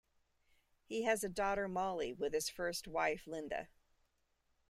He has a daughter, Molly, with his first wife, Linda.